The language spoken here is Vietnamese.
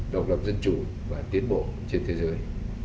độc lập dân chủ và tiến bộ trên thế giới